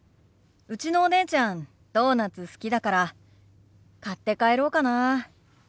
うちのお姉ちゃんドーナツ好きだから買って帰ろうかな。